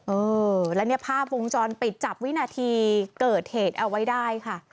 เออแล้วเนี่ยภาพวงจรปิดจับวินาทีเกิดเหตุเอาไว้ได้ค่ะ